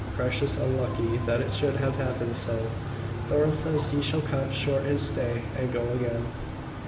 Precious unlucky that it should have happened so. Thorn says he shall cut short his stay, and go again."